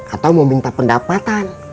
atau mau minta pendapat